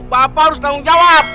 bapak harus tanggung jawab